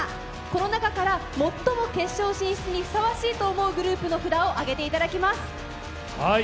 この中から最も決勝進出にふさわしいと思うグループの札を挙げていただきます。